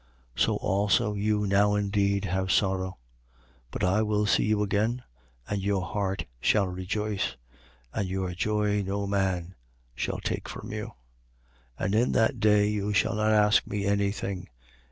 16:22. So also you now indeed have sorrow: but I will see you again and your heart shall rejoice. And your joy no man shall take from you. 16:23. And in that day you shall not ask me any thing.